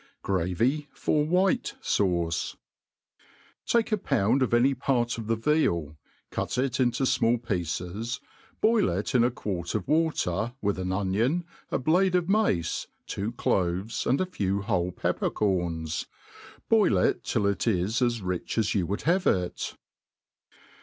Gravy for White Sauce* TAKE a pound of any part of the veal, cuiit it into fm^ll t>ieces, boil it in a quart of water, with an o^ion, a bls^de o£ * mace, two cloves, and a few whole pepper«corns. Boil it till it is as rich as you would have it.